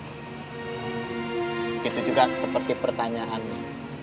begitu juga seperti pertanyaannya